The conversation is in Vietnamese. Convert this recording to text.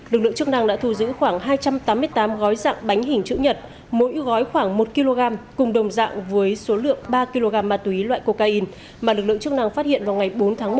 lực lượng chức năng đã thu giữ khoảng hai trăm tám mươi tám gói dạng bánh hình chữ nhật mỗi gói khoảng một kg cùng đồng dạng với số lượng ba kg ma túy loại cocaine mà lực lượng chức năng phát hiện vào ngày bốn tháng một